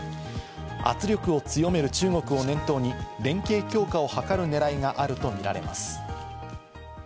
圧力を強める中国を念頭に連携強化を図るねらいがあるとみられます。